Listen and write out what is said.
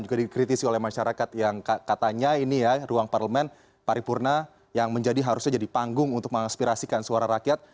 juga dikritisi oleh masyarakat yang katanya ini ya ruang parlemen paripurna yang menjadi harusnya jadi panggung untuk mengaspirasikan suara rakyat